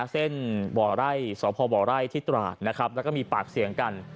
เส้นบ่อไร่สพบไร่ที่ตราดนะครับแล้วก็มีปากเสียงกัน